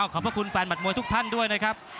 ขอบพระคุณแฟนบัตรมวยทุกท่านด้วยนะครับ